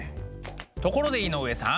ところで井上さん。